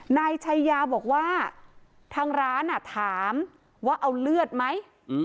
นายชัยยาบอกว่าทางร้านถามว่าเอาเลือดไหม